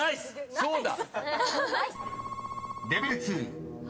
そうだ。